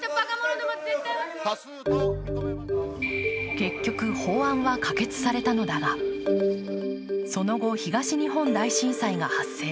結局、法案は可決されたのだが、その後、東日本大震災が発生。